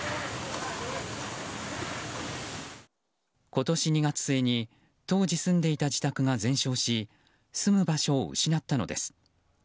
今年２月末に当時住んでいた自宅が全焼し住む場所を失ったのです。